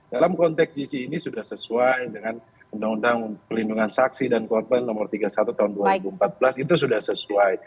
dalam konteks gc ini sudah sesuai dengan undang undang pelindungan saksi dan korban nomor tiga puluh satu tahun dua ribu empat belas itu sudah sesuai